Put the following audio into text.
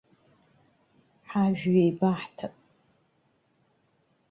Ҳажәҩа еибаҳҭап.